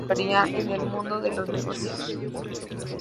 Otra rama lo haría en el mundo de los negocios.